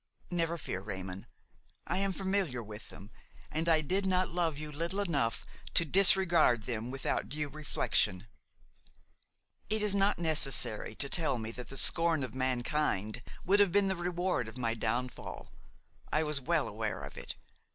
Never fear, Raymon; I am familiar with them and I did not love you little enough to disregard them without due reflection. It is not necessary to tell me that the scorn of mankind would have been the reward of my downfall; I was well aware of it.